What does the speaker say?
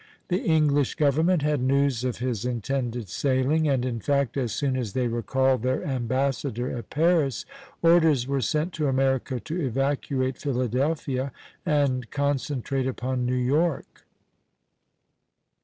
The English government had news of his intended sailing; and in fact, as soon as they recalled their ambassador at Paris, orders were sent to America to evacuate Philadelphia, and concentrate upon New York.